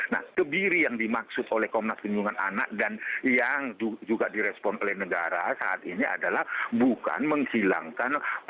nah kebiri yang dimaksud oleh komnas penyelidikan anak dan yang juga direspon oleh negara saat ini adalah bukan menghilangkan